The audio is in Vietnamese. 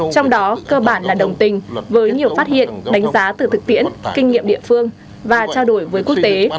trong đó cơ bản là đồng tình với nhiều phát hiện đánh giá từ thực tiễn kinh nghiệm địa phương và trao đổi với quốc tế